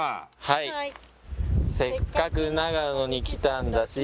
はい「せっかく長野に来たんだし」